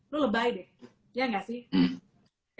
lu lebay deh ya nggak sih